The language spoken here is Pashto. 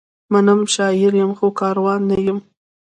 منم، شاعر یم؛ خو کاروان نه یمه